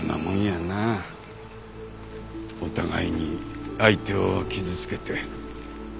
お互いに相手を傷つけて。